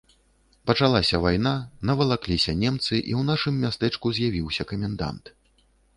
Пачалася вайна, навалакліся немцы, і ў нашым мястэчку з'явіўся камендант.